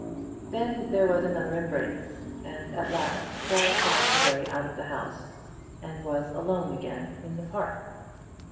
Then there was another embrace, and at last Clara found her way out of the house and was alone again in the park.